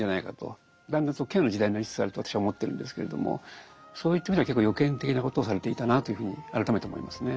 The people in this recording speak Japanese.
だんだんケアの時代になりつつあると私は思ってるんですけれどもそういった意味では結構予見的なことをされていたなというふうに改めて思いますね。